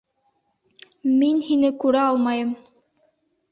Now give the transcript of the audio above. Мин һине күрә алмайым!